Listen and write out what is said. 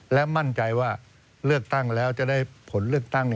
เลือกตั้งแล้วจะได้ผลเลือกตั้ง